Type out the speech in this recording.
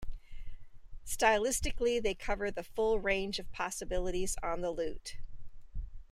Stylistically, they cover the full range of possibilities on the lute.